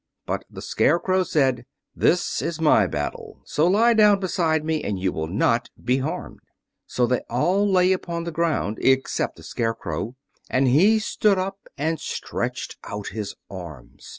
But the Scarecrow said, "This is my battle, so lie down beside me and you will not be harmed." So they all lay upon the ground except the Scarecrow, and he stood up and stretched out his arms.